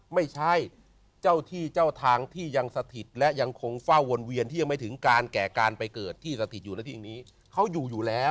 ไม่ใช่เจ้าที่เจ้าทางที่ยังสถิตและยังคงเฝ้าวนเวียนที่ยังไม่ถึงการแก่การไปเกิดที่สถิตอยู่ในที่นี้เขาอยู่อยู่แล้ว